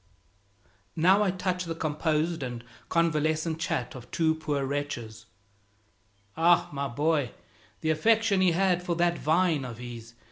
Now I touch the composed and convalescent chat of two poor wretches "Ah, my boy, the affection he had for that vine of his!